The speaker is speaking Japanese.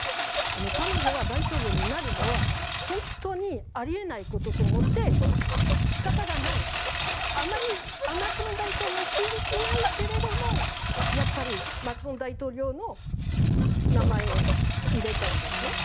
彼女が大統領になるのは本当にあり得ないことだと思って仕方がないマクロン大統領を支持しないけれどもやっぱりマクロン大統領の名前を入れたんですね。